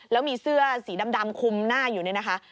แล้วมีเสื้อสีดำคุมหน้าอยู่เนี่ยนะคะ